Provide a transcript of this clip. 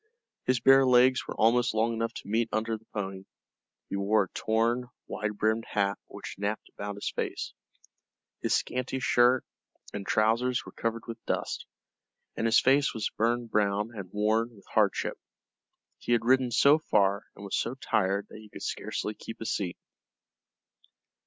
His bare legs were almost long enough to meet under the pony; he wore a torn wide brimmed hat which napped about his face. His scanty shirt and trousers were covered with dust, and his face was burned brown and worn with hardship. He had ridden so far and was so tired that he could scarcely keep his seat.